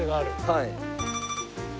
はい。